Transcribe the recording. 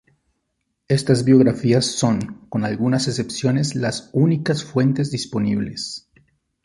Estas biografías son, con algunas excepciones, las únicas fuentes disponibles.